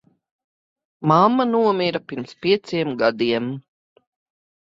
Mamma nomira pirms pieciem gadiem.